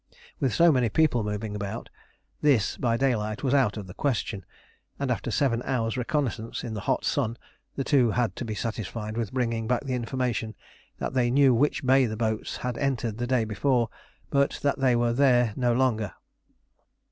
With so many people moving about, this, by daylight, was out of the question, and after seven hours' reconnaissance in the hot sun the two had to be satisfied with bringing back the information that they knew which bay the boats had entered the day before, but that they were there no longer.